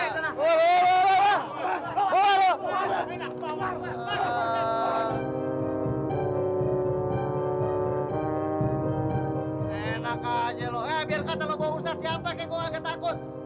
enak aja lo eh biar kata lo bang ustadz siapa yang gua gak ketakut